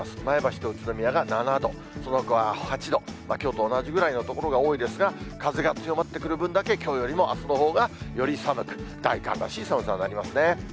前橋と宇都宮が７度、そのほかは８度、きょうと同じぐらいの所が多いですが、風が強まってくる分だけ、きょうよりもあすのほうがより寒く、大寒らしい寒さになりますね。